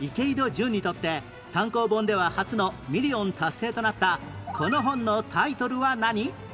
潤にとって単行本では初のミリオン達成となったこの本のタイトルは何？